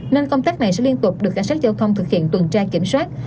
nên công tác này sẽ liên tục được cảnh sát giao thông thực hiện tuần tra kiểm soát